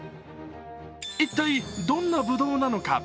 一体どんなブドウなのか。